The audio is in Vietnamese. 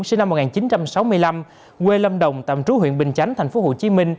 sinh năm một nghìn chín trăm sáu mươi năm quê lâm đồng tạm trú huyện bình chánh tp hcm